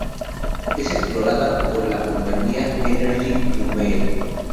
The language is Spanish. Es explotada por la compañía Energie du Mali.